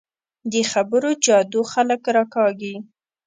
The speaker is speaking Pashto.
د خبرو جادو خلک راکاږي